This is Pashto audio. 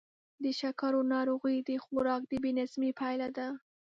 د شکرو ناروغي د خوراک د بې نظمۍ پایله ده.